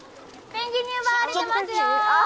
ペンギンに奪われてますよ！